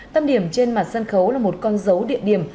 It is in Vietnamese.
tâm điểm trên mặt sân khấu là một con dấu địa điểm